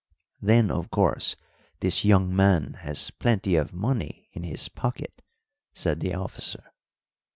"Then, of course, this young man has plenty of money in his pocket?" said the officer.